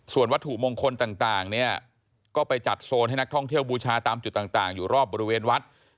ส่วนวัตถุมงคลต่างเนี่ยก็ไปจัดโซนให้นักท่องเที่ยวบูชาตามจุดต่างอยู่รอบบริเวณวัด